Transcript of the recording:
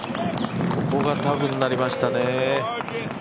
ここがタフになりましたね。